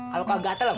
kalau kagetel udah